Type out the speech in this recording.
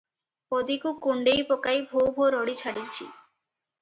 ପଦୀକୁ କୁଣ୍ଢେଇ ପକାଇ ଭୋ ଭୋ ରଡ଼ି ଛାଡ଼ିଛି ।